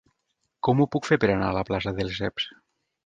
Com ho puc fer per anar a la plaça de Lesseps?